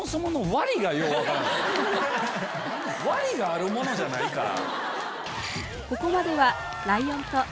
「わり」があるものじゃないから。